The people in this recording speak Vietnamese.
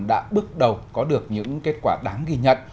đã bước đầu có được những kết quả đáng ghi nhận